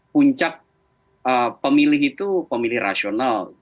puncak pemilih itu pemilih rasional